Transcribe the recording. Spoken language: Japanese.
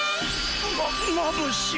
まっまぶしい。